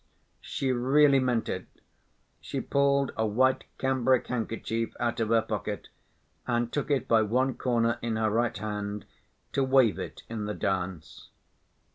She really meant it. She pulled a white cambric handkerchief out of her pocket, and took it by one corner in her right hand, to wave it in the dance.